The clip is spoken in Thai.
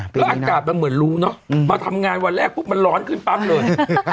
ปีนี้น่ะอย่างแม้ไม่รู้เนาะมาทำงานวันแรกปุ๊บมันร้อนขึ้นปั๊บเลย